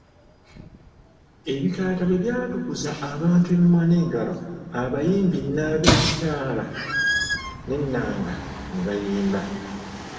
Ebikaata bwe byatukuza abantu emimwa n'engalo, abayimbi n'ab'e-' ntaala n'ennanga ne bayimba.